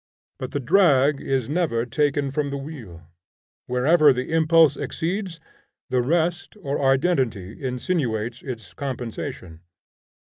But the drag is never taken from the wheel. Wherever the impulse exceeds, the Rest or Identity insinuates its compensation.